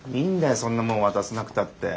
そんなもん渡さなくたって。